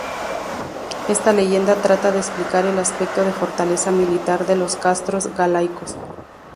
Esta leyenda trata de explicar el aspecto de fortaleza militar de los castros galaicos.